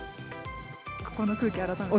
この空気、改めて。